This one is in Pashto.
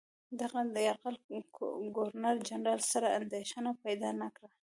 دغه یرغل ګورنرجنرال سره اندېښنه پیدا نه کړه.